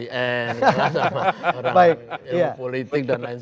kalah sama orang yang politik dan lain sebagainya